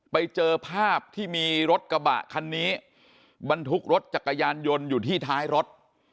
ไปเจอภาพที่มีรถกระบะคันนี้บรรทุกรถจักรยานยนต์อยู่ที่ท้ายรถ